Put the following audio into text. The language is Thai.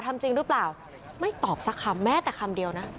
ทำจริงหรือเปล่าไม่ตอบสักคำแม้แต่คำเดียวนะ